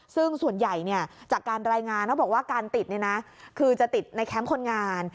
ซึ่งส่วนใหญ่จากการรายงานเขาบอกว่าการติดคือจะติดในแคมป์คนงาน